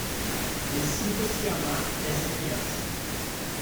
Decida-se amar essa criança